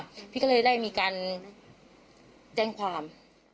พี่ก็เลยได้มีการแจ้งความ